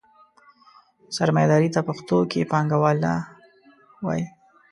سرمایهداري ته پښتو کې پانګواله وایي.